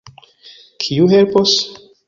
Kiu helpos?